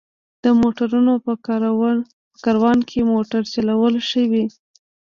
د موټرونو په کاروان کې موټر چلول ښه وي.